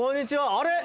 あれ？